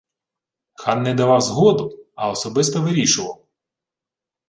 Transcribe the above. Хан не давав згоду, а особисто вирішував! –